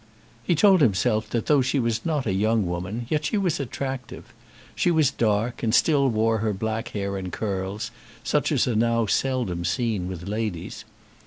He told himself that though she was not a young woman, yet she was attractive. She was dark, and still wore her black hair in curls, such as are now seldom seen with ladies.